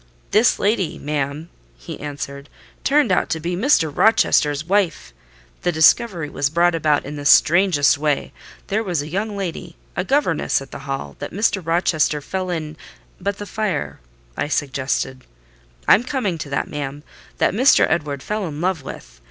"This lady, ma'am," he answered, "turned out to be Mr. Rochester's wife! The discovery was brought about in the strangest way. There was a young lady, a governess at the Hall, that Mr. Rochester fell in—" "But the fire," I suggested. "I'm coming to that, ma'am—that Mr. Edward fell in love with.